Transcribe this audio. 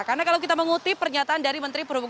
karena kalau kita mengutip pernyataan dari menteri perubahan